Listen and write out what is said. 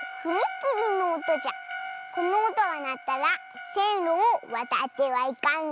このおとがなったらせんろをわたってはいかんぞ。